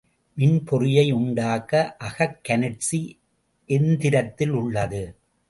மின்பொறியை உண்டாக்க அகக் கனற்சி எந்திரத்தில் உள்ளது.